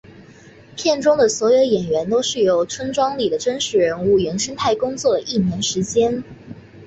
片中的所有演员都是由村庄里的真实人物原生态工作了一年时间。